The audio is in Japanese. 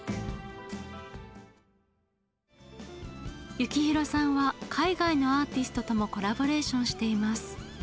幸宏さんは海外のアーティストともコラボレーションしています。